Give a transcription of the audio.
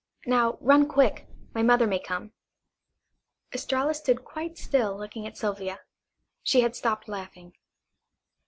Now, run quick. My mother may come." Estralla stood quite still looking at Sylvia. She had stopped laughing.